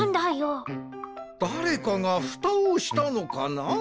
だれかがふたをしたのかな？